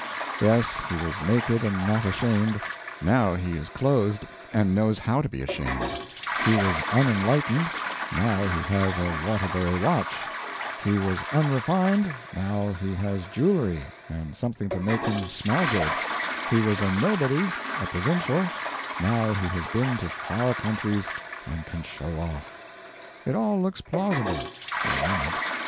Yes, he was naked and not ashamed, now he is clothed and knows how to be ashamed; he was unenlightened; now he has a Waterbury watch; he was unrefined, now he has jewelry, and something to make him smell good; he was a nobody, a provincial, now he has been to far countries and can show off. It all looks plausible for a moment.